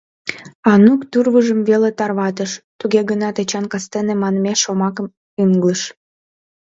Анук тӱрвыжым веле тарватыш, туге гынат Эчан «кастене» манме шомакым ыҥлыш...